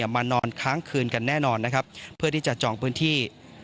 มานอนค้างคืนกันแน่นอนนะครับเพื่อที่จะจองพื้นที่